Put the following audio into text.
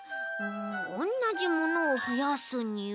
おんなじものをふやすには。